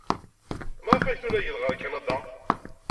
Maɣef ay tunaged ɣer Kanada?